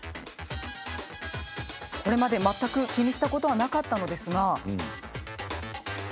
これまで全く気にしたことはなかったのですが。